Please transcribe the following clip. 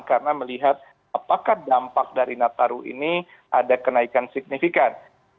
karena melihat apakah dampak dari nataru ini ada kenaikan signifikan